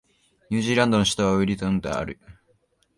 ニュージーランドの首都はウェリントンである